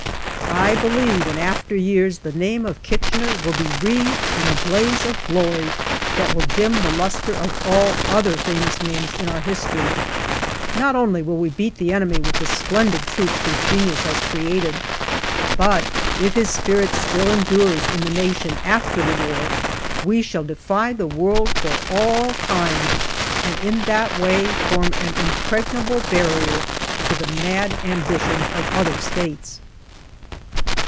I believe in after years the name of Kitchener will be wreathed in a blaze of glory that will dim the lustre of all other famous names in our history. Not only will we beat the enemy with the splendid troops his genius has created, but if his spirit still endures in the nation after the war, we shall defy the world for all time, and in that way form an impregnable barrier to the mad ambitions of other States.